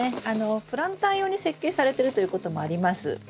プランター用に設計されてるということもあります。